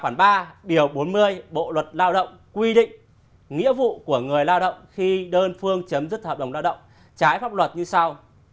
khoảng ba điều bốn mươi bộ luật lao động quy định nghĩa vụ của người lao động khi đơn phương chấm dứt hợp đồng lao động trái pháp luật như sau